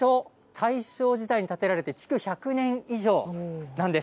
大正時代に建てられて、築１００年以上なんです。